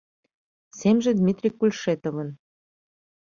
Семже Дмитрий Кульшетовын